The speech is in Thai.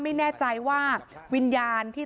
ไม่แน่ใจว่าวิญญาณที่